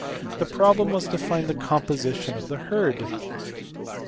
The problem was to find the composition of the herd.